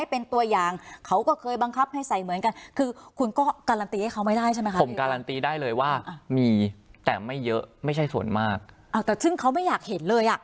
ผมการันตีได้เลยว่ามีแต่ไม่เยอะไม่ใช่ส่วนมากอ่าแต่ซึ่งเขาไม่อยากเห็นเลยอ่ะ